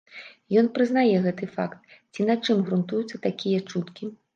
Ён прызнае гэты факт, ці на чым грунтуюцца такія чуткі?